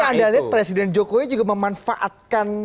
tapi anda lihat presiden jokowi juga memanfaatkan